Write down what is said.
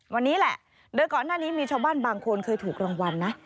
วันนี้แหละโดยก่อนหน้านี้มีชาวบ้านบางคนเคยถูกรางวัลนะ